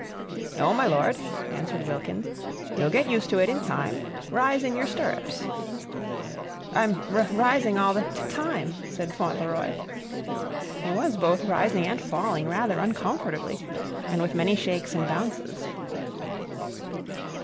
"No, my lord," answered Wilkins. "You'll get used to it in time. Rise in your stirrups." "I'm ri rising all the t time," said Fauntleroy. He was both rising and falling rather uncomfortably and with many shakes and bounces.